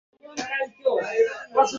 তাদের বিশ্বাস করিস না।